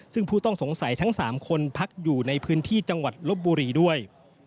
ซึ่งผู้ต้องสงสัยทั้ง๓คนพักอยู่ในพื้นที่จังหวัดลบบุรีด้วย